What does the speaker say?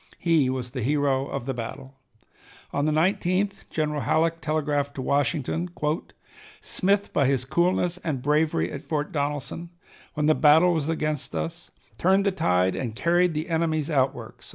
He was the hero of the battle. On the 19th General Halleck telegraphed to Washington: "Smith, by his coolness and bravery at Fort Donelson, when the battle was against us, turned the tide and carried the enemy's outworks."